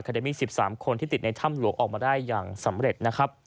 ก็ได้มี๑๓คนที่ติดในถ้ำหลวงออกมาได้อย่างสำเร็จ